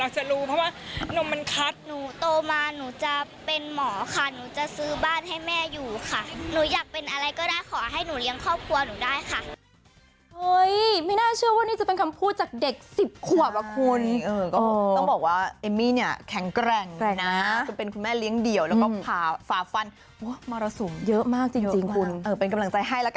ชั้นเป็นหมอค่ะหนูจะซื้อบ้านให้แม่อยู่ค่ะหนูอยากเป็นอะไรก็ได้ขอให้หนูเลี้ยงครอบครัวหนูได้ค่ะ